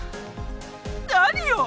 何よ！